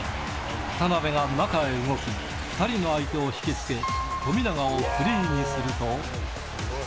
渡邊が中へ動き、２人の相手を引き付け、富永をフリーにすると。